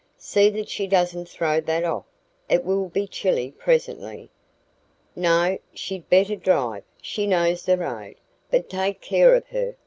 "See that she doesn't throw that off. It will be chilly presently. No, she'd better drive she knows the road. But take care of her.